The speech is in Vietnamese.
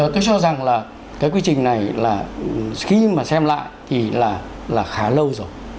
tôi cho rằng là cái quy trình này là khi mà xem lại thì là khá lâu rồi